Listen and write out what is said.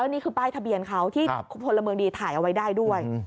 นี่คือป้ายทะเบียนเขาที่พลเมืองดีถ่ายเอาไว้ได้ด้วย